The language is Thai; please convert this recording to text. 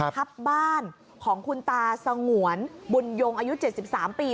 ทับบ้านของคุณตาสงวนบุญยงอายุ๗๓ปี